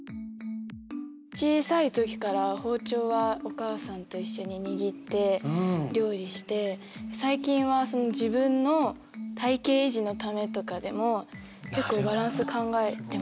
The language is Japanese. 小さい時から包丁はお母さんと一緒に握って料理して最近は自分の体形維持のためとかでも結構バランス考えてます。